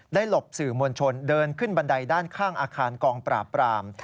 หลบสื่อมวลชนเดินขึ้นบันไดด้านข้างอาคารกองปราบปราม